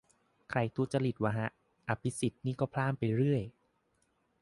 ใครทุจริตวะฮะ อภิสิทธิ์นี่ก็พล่ามไปเรื่อย